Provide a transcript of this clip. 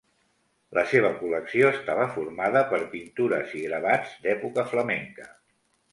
La seva col·lecció estava formada per pintures i gravats d'època flamenca.